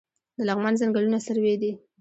د لغمان ځنګلونه سروې دي